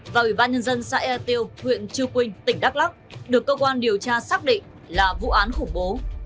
và ủy ban nhân dân xã e tiêu huyện chư quynh tỉnh đắk lắc được cơ quan điều tra xác định là vụ án khủng bố